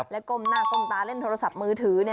และก้มหน้าก้มตาเล่นโทรศัพท์มือถือ